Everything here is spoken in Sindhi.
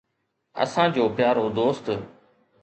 اسان جو پيارو دوست